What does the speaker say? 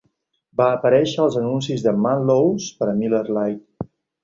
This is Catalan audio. Va aparèixer als anuncis de Man Laws per a Miller Lite.